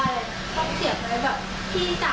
เขาเสียบอะไรแบบที่จำ